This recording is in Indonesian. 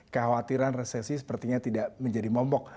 kekhawatiran resesi sepertinya tidak menjadi mombok